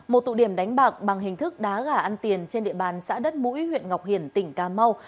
một tụ điểm đánh bạc bằng hình thức đá gà ăn tiền trên địa bàn xã đất mũi huyện ngọc hiển tỉnh cà mau